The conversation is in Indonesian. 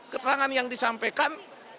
keterangan yang disampaikan